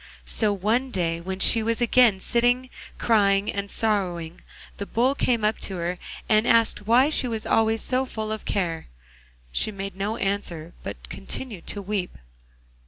So one day, when she was again sitting crying and sorrowing, the Bull came up to her and asked why she was always so full of care? She made no answer, but continued to weep.